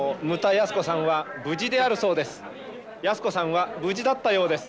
泰子さんは無事だったようです。